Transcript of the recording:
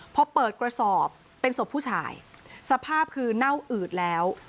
พอเปิดกระสอบเป็นศพผู้ชายสภาพคือเน่าอืดแล้ว